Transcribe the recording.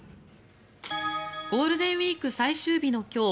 ゴールデンウィーク最終日の今日